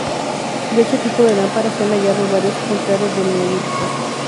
De este tipo de lámparas se han hallado varios ejemplares del Neolítico.